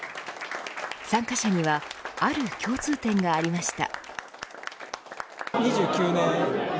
参加者にはある共通点がありました。